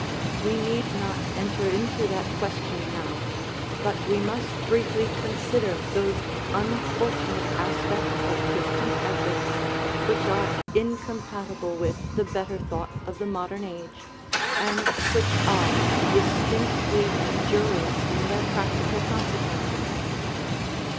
We need not enter into that question now, but we must briefly con sider those unfortunate aspects of Christian ethics which are incompatible with the better thought of the modern age, and which are distinctly injurious in their practical consequences.